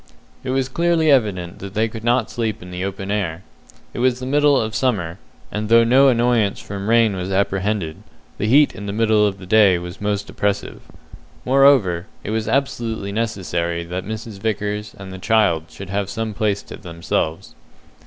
It was clearly evident that they could not sleep in the open air. It was the middle of summer, and though no annoyance from rain was apprehended, the heat in the middle of the day was most oppressive. Moreover, it was absolutely necessary that Mrs. Vickers and the child should have some place to themselves.